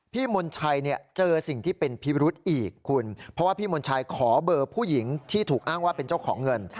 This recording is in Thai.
มนชัยเนี่ยเจอสิ่งที่เป็นพิรุธอีกคุณเพราะว่าพี่มนชัยขอเบอร์ผู้หญิงที่ถูกอ้างว่าเป็นเจ้าของเงิน